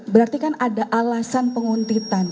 berarti kan ada alasan penguntitan